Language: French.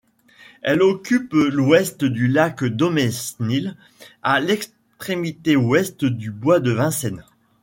Elle occupe l'ouest du lac Daumesnil, à l'extrémité ouest du bois de Vincennes.